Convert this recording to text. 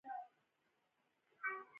په افغانستان کې پامیر شتون لري.